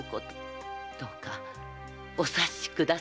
どうかお察しくださいませ。